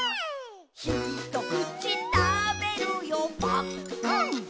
「ひとくちたべるよぱっくん」っくん！